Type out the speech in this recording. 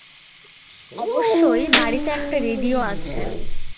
অবশ্যই, বাড়িতে একটা রেডিও আছে।